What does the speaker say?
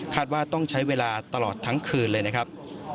ว่าต้องใช้เวลาตลอดทั้งคืนเลยนะครับ